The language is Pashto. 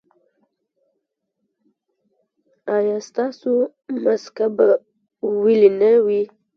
ایا ستاسو مسکه به ویلې نه وي؟